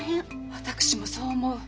私もそう思う。